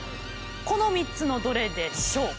この３つのどれでしょう。